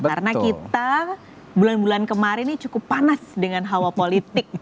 karena kita bulan bulan kemarin ini cukup panas dengan hawa politik